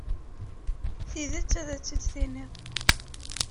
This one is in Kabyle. Tidet, ad tt-id-tiniḍ.